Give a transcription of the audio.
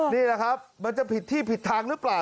นี่แหละครับมันจะผิดที่ผิดทางหรือเปล่า